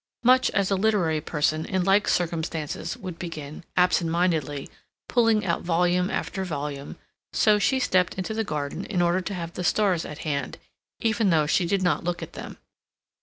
Much as a literary person in like circumstances would begin, absent mindedly, pulling out volume after volume, so she stepped into the garden in order to have the stars at hand, even though she did not look at them.